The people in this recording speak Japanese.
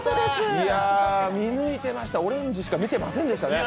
見抜いてました、オレンジしか見てませんでしたね。